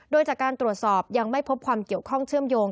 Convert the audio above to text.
โดยจากการตรวจสอบยังไม่พบความเกี่ยวข้องเชื่อมโยง